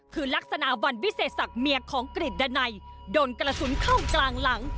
คือลักษณะวันวิเศษศักดิ์เมียของกฤษดันัยโดนกระสุนเข้ากลางหลัง